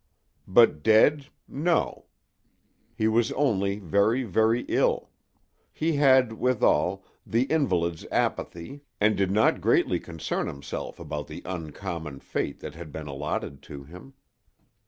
But dead—no; he was only very, very ill. He had, withal, the invalid's apathy and did not greatly concern himself about the uncommon fate that had been allotted to him.